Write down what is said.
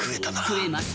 食えます。